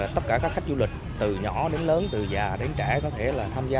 tất cả các khách du lịch từ nhỏ đến lớn từ già đến trẻ có thể là tham gia